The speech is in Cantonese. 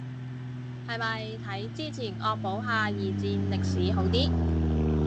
係咪睇之前惡補下二戰歷史好啲